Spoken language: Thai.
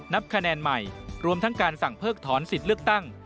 นับคะแนนใหม่รวมทั้งการสั่งเพิกถอนสิทธิ์เลือกตั้ง